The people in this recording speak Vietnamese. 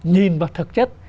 nhìn vào thật chất